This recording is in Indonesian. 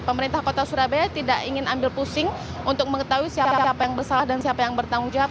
pemerintah kota surabaya tidak ingin ambil pusing untuk mengetahui siapa siapa yang bersalah dan siapa yang bertanggung jawab